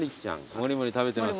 もりもり食べてます。